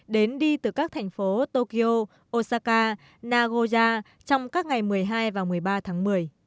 đến đi từ các thành phố tokyo osaka nagoya trong các ngày một mươi hai và một mươi ba tháng một mươi